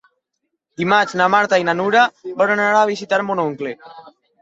Dimarts na Marta i na Nura volen anar a visitar mon oncle.